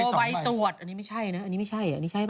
ใบตรวจอันนี้ไม่ใช่นะอันนี้ไม่ใช่อันนี้ใช่ไหม